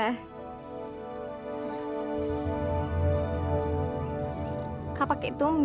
ayo kak terima aja